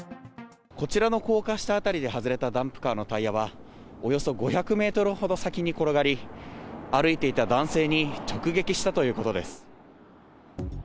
こちらの高架下辺りで外れたダンプカーのタイヤは、およそ５００メートルほど先に転がり、歩いていた男性に直撃したということです。